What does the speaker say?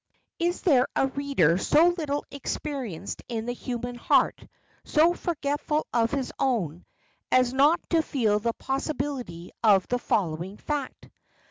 Is there a reader so little experienced in the human heart, so forgetful of his own, as not to feel the possibility of the following fact?